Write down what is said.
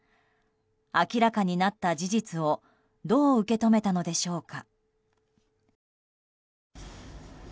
明らかになった事実をどう受け止めたのでしょうか。